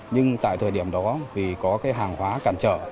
nhưng tại thời điểm đó vì có cái hàng hóa cản trở